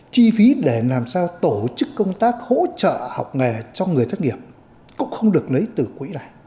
chi phí để làm sao tổ chức công tác hỗ trợ học nghề cho người thất nghiệp cũng không được lấy từ quỹ này